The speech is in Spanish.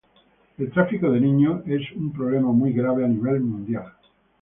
El tráfico de niños es un problema muy grave a nivel mundial.